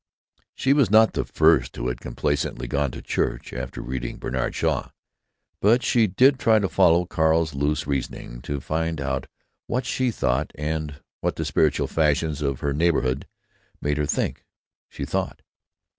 She was not the first who had complacently gone to church after reading Bernard Shaw.... But she did try to follow Carl's loose reasoning; to find out what she thought and what the spiritual fashions of her neighborhood made her think she thought.